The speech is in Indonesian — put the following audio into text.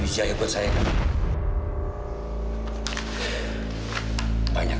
saya protes pak